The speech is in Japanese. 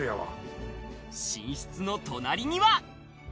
寝室の隣には。